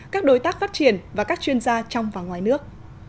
các đối tác phát triển và các chuyên gia trong và ngoài nước